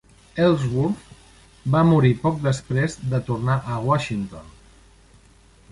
Ellsworth va morir poc després de tornar a Washington.